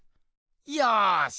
よし！